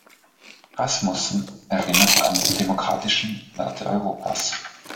Rasmussen erinnerte an die demokratischen Werte Europas.